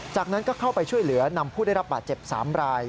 จากนั้นก็เข้าไปช่วยเหลือนำผู้ได้รับบาดเจ็บ๓ราย